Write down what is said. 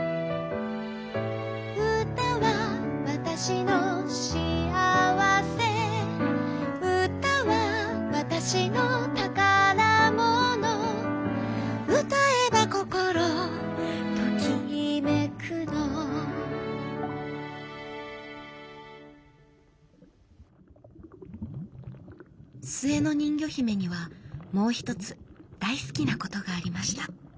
「うたはわたしのしあわせ」「うたはわたしのたからもの」「うたえばこころときめくの」末の人魚姫にはもう一つ大好きなことがありました。